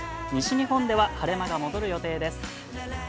西日本では晴れ間が戻る予定です。